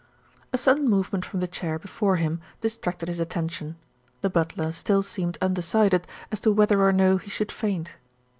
A sudden movement from the chair before him dis tracted his attention. The butler still seemed unde cided as to whether or no he should faint.